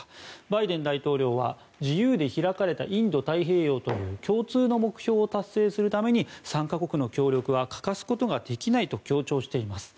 バイデン大統領は自由で開かれたインド太平洋という共通の目標を達成するために３か国の協力が欠かすことができないと強調しています。